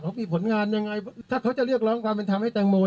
เขามีผลงานยังไงถ้าเขาจะเรียกร้องความเป็นธรรมให้แตงโม